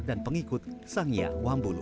dan pengikut sang yawambulu